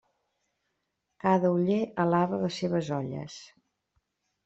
Cada oller alaba les seues olles.